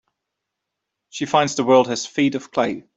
She finds the world has feet of clay.